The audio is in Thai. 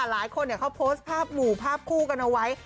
หลายคนเขาโพสต์ภาพหมู่ภาพคู่กันเอาไว้